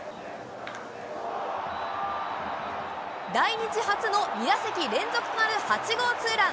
来日初の２打席連続となる８号ツーラン。